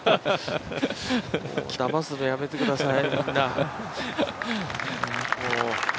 だますのやめてください、みんな、もう。